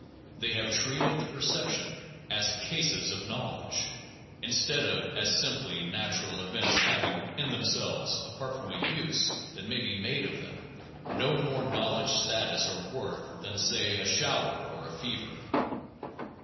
They have treated the perceptions as cases of knowledge, instead of as simply natural events having, in themselves (apart from a use that may be made of them), no more knowledge status or worth than, say, a shower or a fever.